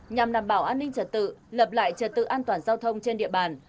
nhằm đảm bảo an ninh trật tự lập lại trật tự an toàn giao thông trên địa bàn